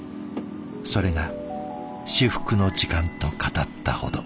それが至福の時間と語ったほど。